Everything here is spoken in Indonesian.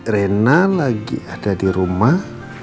rena lagi ada di rumah